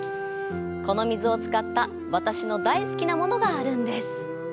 この水を使った私の大好きなものがあるんです。